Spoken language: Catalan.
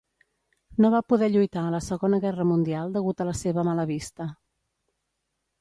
No va poder lluitar a la Segona Guerra Mundial degut a la seva mala vista.